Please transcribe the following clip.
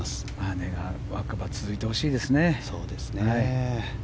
願わくば続いてほしいですね。